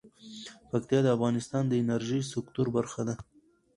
پکتیا د افغانستان د انرژۍ سکتور برخه ده.